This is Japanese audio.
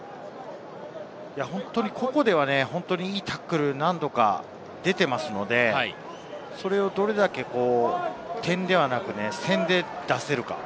個々ではタックルを何度か出ていますので、それをどれだけ点ではなく線で出せるか。